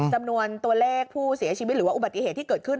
จำนวนตัวเลขผู้เสียชีวิตหรือว่าอุบัติเหตุที่เกิดขึ้น